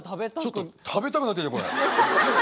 ちょっと食べたくなってきたこれ。